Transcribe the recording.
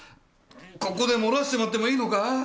ここでもらしちまってもいいのか？